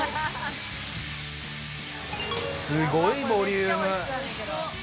すごいボリューム。